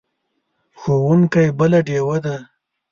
ښوونکی بله ډیوه ده.